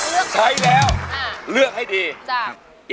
แล้วเลือกให้ดี